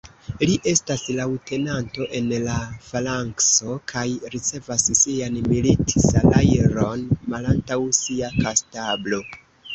Li estas leŭtenanto en la _falankso_ kaj ricevas sian milit-salajron malantaŭ sia kastablo.